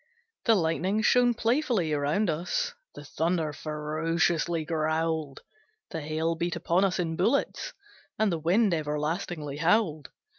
The lightning shone playfully round us; The thunder ferociously growled; The hail beat upon us in bullets; And the wind everlastingly howled.